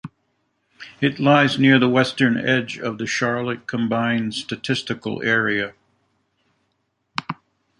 It lies near the western edge of the Charlotte combined statistical area.